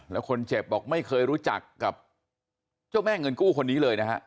แล้วคนเจ็บบอกไม่เคยรู้จักกับเจ้าแม่เงินกู้คนนี้เลยนะฮะ